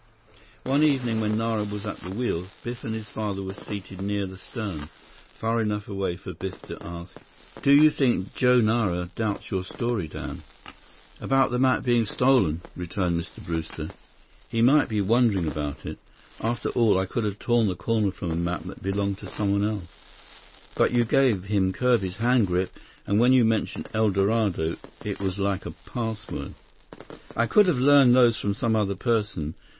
One evening when Nara was at the wheel, Biff and his father were seated near the stern, far enough away for Biff to ask: "Do you think Joe Nara doubts your story, Dad?" "About the map being stolen?" returned Mr. Brewster. "He might be wondering about it. After all, I could have torn the corner from a map that belonged to someone else." "But you gave him Kirby's hand grip and when you mentioned 'El Dorado' it was like a password." "I could have learned those from some other person.